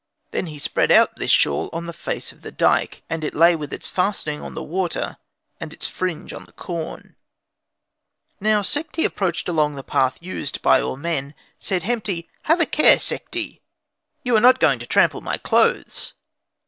Then spread he out this shawl on the face of the dyke, and it lay with its fastening on the water and its fringe on the corn. Now Sekhti approached along the path used by all men. Said Hemti, "Have a care, Sekhti! you are not going to trample on my clothes!"